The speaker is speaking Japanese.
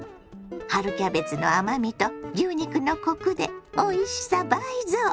春キャベツの甘みと牛肉のコクでおいしさ倍増！